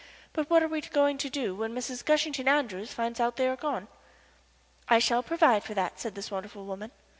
"But what are we going to do when Mrs. Gushington Andrews finds out that they are gone?" "I shall provide for that," said this wonderful woman.